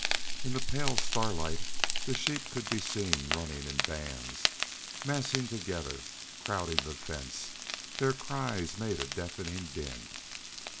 In the pale starlight the sheep could be seen running in bands, massing together, crowding the fence; their cries made a deafening din.